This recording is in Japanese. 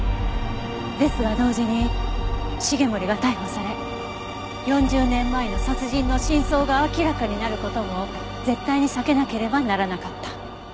ですが同時に繁森が逮捕され４０年前の殺人の真相が明らかになる事も絶対に避けなければならなかった。